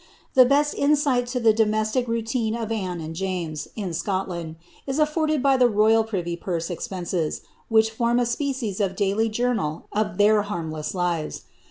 The best insight to the domestic routine of Anne and James, in Scot land, is afforded by the royal privy purse expenses, which form a species of daily journal of their harmless lives.